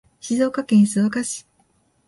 静岡県静岡市